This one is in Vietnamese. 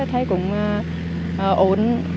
thấy cũng ổn